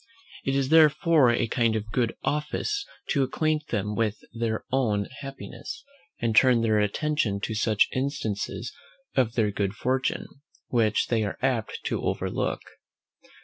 It is, therefore, a kind and good office to acquaint them with their own happiness, and turn their attention to such instances of their good fortune which they are apt to overlook.